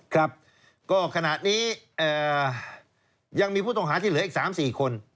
ครับก็ขณะนี้ยังมีผู้ต้องหาที่เหลืออีก๓๔คน